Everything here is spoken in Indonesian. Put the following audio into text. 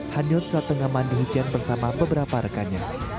hanyut saat tengah mandi hujan bersama beberapa rekannya